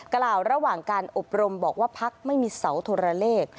กล่าวระหว่างการอบรมบอกว่าพักไม่มีเสาโทรเลข